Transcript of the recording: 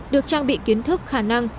được trang bị kiến thức khả năng